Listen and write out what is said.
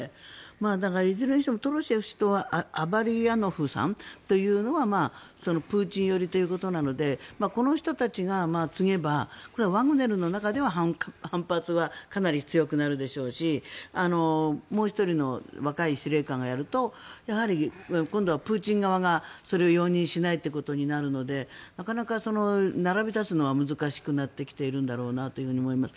だから、いずれにしてもトロシェフ氏とアベリヤノフさんというのはプーチン寄りということなのでこの人たちが継げばこれはワグネルの中では反発はかなり強くなるでしょうしもう１人の若い司令官がやるとやはり今度はプーチン側がそれを容認しないということになるのでなかなか並び立つのは難しくなってきているんだろうなとは思います。